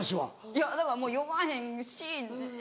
いやだからもう酔わへんし。